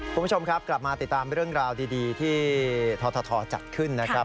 คุณผู้ชมครับกลับมาติดตามเรื่องราวดีที่ททจัดขึ้นนะครับ